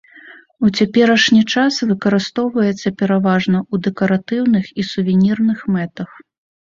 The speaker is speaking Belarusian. У цяперашні час выкарыстоўваецца пераважна ў дэкаратыўных і сувенірных мэтах.